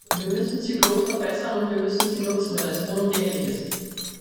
Wir müssen sie bloß verbessern und wir müssen sie nutzen, wenn es unumgänglich ist.